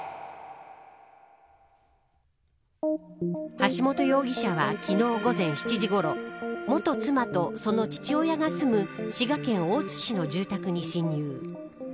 橋本容疑者は昨日午前７時ごろ元妻とその父親が住む滋賀県大津市の住宅に侵入。